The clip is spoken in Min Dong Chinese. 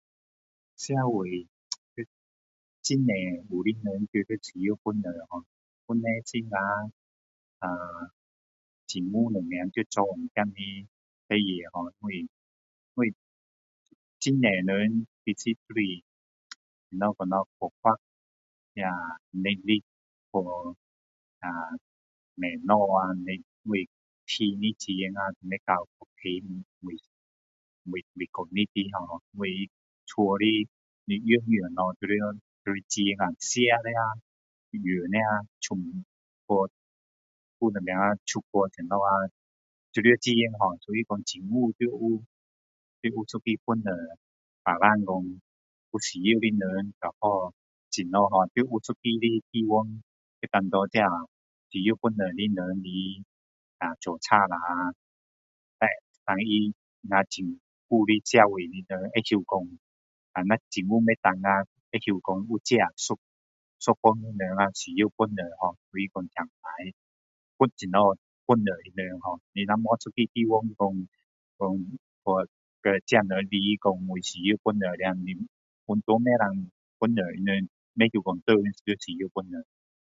社会很多有的对这个有帮助hor 政府什么要做一点的事情因为很多人都是怎样讲啦没有能力去赚的钱呀不够每个月的家里的你样样东西都要钱呀吃的呀用的呀全部还有什么出去的什么呀都要钱所以说政府都要有一个帮助人民说有需要的人怎样要有一个地方可以给这些需要帮助的人来注册啦单他照顾社会的人会懂拿政府不能呀会懂有这个一帮的人呀需要帮忙还是说怎样帮助他们一下你如果没有一个地方说叫这些人来说有需要帮助的呀完全不能帮助他们不会懂谁是需要帮忙